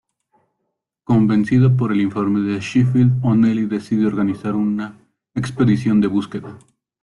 Convencido por el informe de Sheffield, Onelli decide organizar una expedición de búsqueda.